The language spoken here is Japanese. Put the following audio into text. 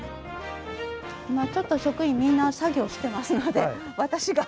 今ちょっと職員みんな作業してますので私が。